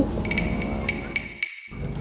hidup ini adalah pohon